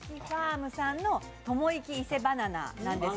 むさんのともいき伊勢バナナです。